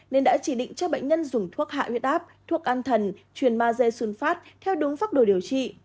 nên đã chỉ định cho bệnh nhân dùng thuốc hạ huyết áp thuốc an thần truyền ma dê xuân phát theo đúng pháp đồ điều trị